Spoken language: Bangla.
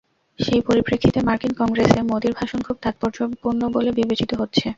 সেই পরিপ্রেক্ষিতে মার্কিন কংগ্রেসে মোদির ভাষণ খুব তাৎপর্যপূর্ণ বলে বিবেচিত হচ্ছে।